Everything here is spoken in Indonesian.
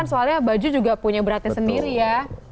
soalnya baju juga punya beratnya sendiri ya